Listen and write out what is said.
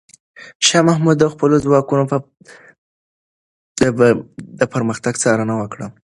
شاه محمود د خپلو ځواکونو د پرمختګ څارنه وکړه.